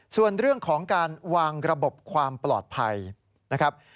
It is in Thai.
ส่วนเรื่องของการวางระบบความปลอดภัยนะครับ